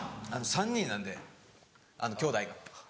３人なんできょうだいが。